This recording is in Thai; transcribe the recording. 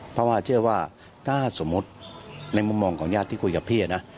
เพราะว่าเชื่อว่าถ้าสมมุติในมุมมองของญาติที่คุยกับพี่นะ